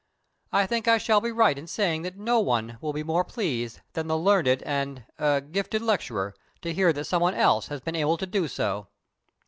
I think I shall be right in saying that no one will be more pleased than the learned and er gifted lecturer to hear that some one else has been able to do so."